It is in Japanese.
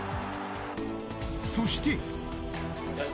そして。